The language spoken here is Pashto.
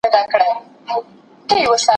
هغه څوک چي ښوونځی ته ځي زدکړه کوي،